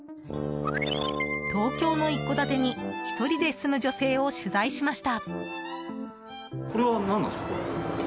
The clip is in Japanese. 東京の一戸建てに１人で住む女性を取材しました。